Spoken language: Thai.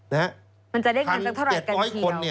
มันจะได้เงินสักเท่าไหร่กันอีกที